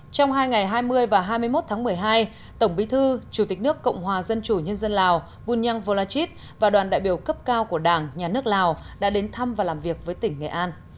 trong hai ngày hai mươi và hai mươi một tháng một mươi hai tổng bí thư chủ tịch nước cộng hòa dân chủ nhân dân lào bunyang volachit và đoàn đại biểu cấp cao của đảng nhà nước lào đã đến thăm và làm việc với tỉnh nghệ an